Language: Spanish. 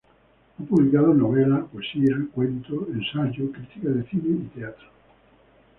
Ha publicado novela, poesía, cuento, ensayo, crítica de cine y teatro.